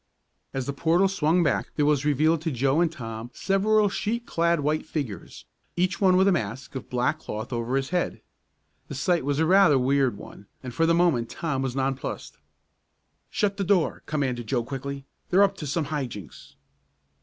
As the portal swung back, there was revealed to Joe and Tom several sheet clad white figures, each one with a mask of black cloth over his head. The sight was rather a weird one, and for the moment Tom was nonplussed. "Shut the door," commanded Joe quickly. "They're up to some high jinks!"